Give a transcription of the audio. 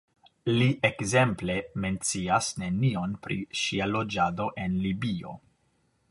Li, ekzemple, mencias nenion pri ŝia loĝado en Libio.